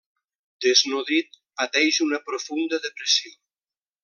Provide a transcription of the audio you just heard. Desnodrit, pateix una profunda depressió.